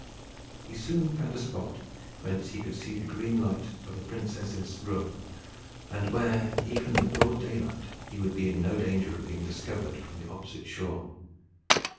He soon found a spot whence he could see the green light in the princess's room, and where, even in the broad daylight, he would be in no danger of being discovered from the opposite shore.